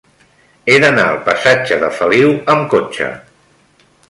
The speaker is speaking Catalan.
He d'anar al passatge de Feliu amb cotxe.